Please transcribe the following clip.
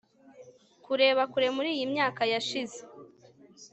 kureba kure muriyi myaka yashize